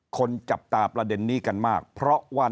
จับตาประเด็นนี้กันมากเพราะว่า